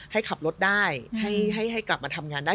ให้ขับรถได้ให้กลับมาทำงานได้